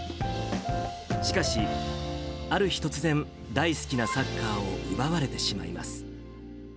しかし、ある日突然、大好きなサッカーを奪われてしまいます。